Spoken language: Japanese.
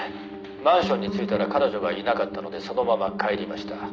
マンションに着いたら彼女がいなかったのでそのまま帰りました。